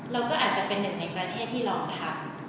เราก็อาจจะเป็นหนึ่งในประเทศที่เราทำ